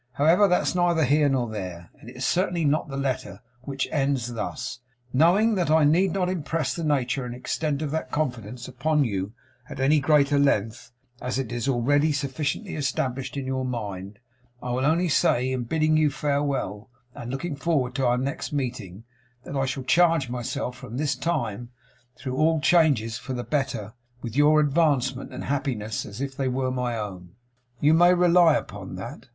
However, that's neither here nor there, and it certainly is not the letter; which ends thus: "Knowing that I need not impress the nature and extent of that confidence upon you at any greater length, as it is already sufficiently established in your mind, I will only say, in bidding you farewell and looking forward to our next meeting, that I shall charge myself from this time, through all changes for the better, with your advancement and happiness, as if they were my own. You may rely upon that.